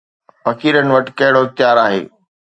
فقيرن وٽ ڪهڙو اختيار آهي؟